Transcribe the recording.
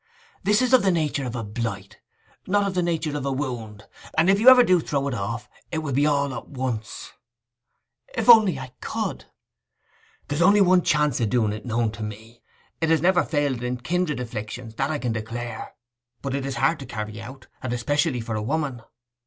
This is of the nature of a blight, not of the nature of a wound; and if you ever do throw it off; it will be all at once.' 'If I only could!' 'There is only one chance of doing it known to me. It has never failed in kindred afflictions,—that I can declare. But it is hard to carry out, and especially for a woman.